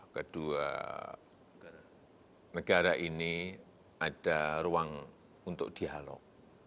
kedua negara ini ada ruang untuk dialog